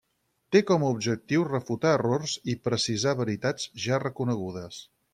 Té com a objectiu refutar errors i precisar veritats ja reconegudes.